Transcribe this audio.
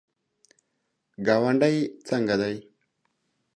ګاونډی څنګه دی؟